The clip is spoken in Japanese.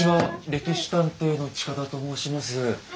「歴史探偵」の近田と申します。